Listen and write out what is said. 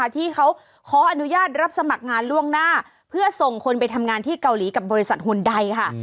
ที่เขาขออนุญาตรับสมัครงานล่วงหน้าเพื่อส่งคนไปทำงานที่เกาหลีกับบริษัทหุ่นใดค่ะ